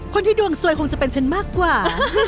คนที่ดวงสวยคงจะเป็นฉันมากกว่า